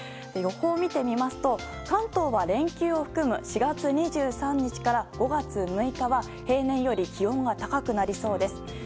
予報を見てみますと関東は連休を含む４月２３日から５月６日は平年より気温は高くなりそうです。